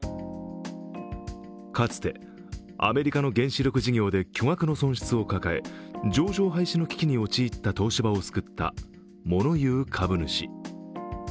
かつて、アメリカの原子力事業で巨額の損失を抱え、上場廃止の危機に陥った東芝を救った、物言う株主。